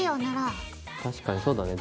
確かにそうだね